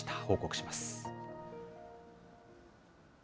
報告します。